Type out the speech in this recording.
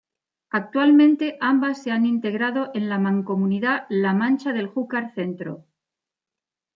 Actualmente ambas se han integrado en la mancomunidad La Mancha del Júcar-Centro.